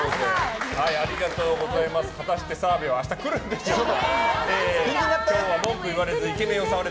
果たして澤部は明日来るんでしょうか。